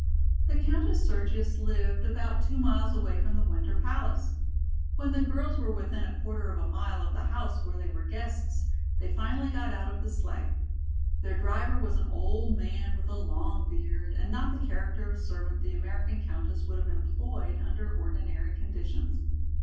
The Countess Sergius lived about two miles away from the Winter Palace. When the girls were within a quarter of a mile of the house where they were guests, they finally got out of the sleigh. Their driver was an old man with a long beard and not the character of servant the American Countess would have employed under ordinary conditions.